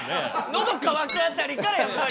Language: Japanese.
「ノドかわく」辺りからやっぱり。